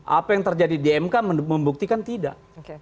apa yang terjadi di mk membuktikan tidak